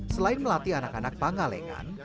selain melatih anak anak pangalengan